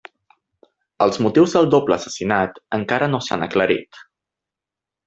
Els motius del doble assassinat encara no s'han aclarit.